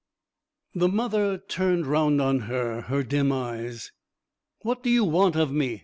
The mother turned round on her her dim eyes. 'What do you want of me?'